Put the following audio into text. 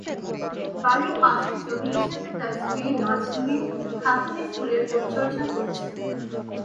বাড়ির পাশের জমি হিসেবে তাঁর স্ত্রী নাজমিন খাতুনই ফুলের পরিচর্যা করেছেন।